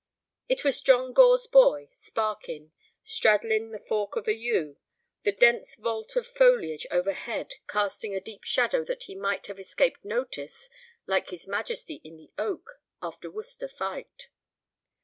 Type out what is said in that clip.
It was John Gore's boy, Sparkin, straddling the fork of a yew, the dense vault of foliage overhead casting so deep a shadow that he might have escaped notice like his Majesty in the oak after Worcester fight.